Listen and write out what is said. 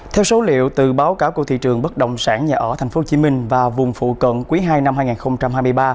theo số liệu từ báo cáo của thị trường bất động sản nhà ở tp hcm và vùng phụ cận quý ii năm hai nghìn hai mươi ba